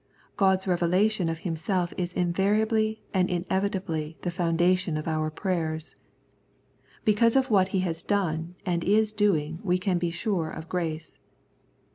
God's revelation of Himself is invariably and inevitably the foundation of our prayers. Because of what He has done and is doing we can be sure of grace.